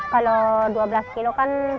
kalau sepuluh kan empat puluh ribu